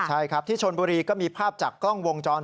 ใช่ครับที่ชนบุรีก็มีภาพจากกล้องวงจร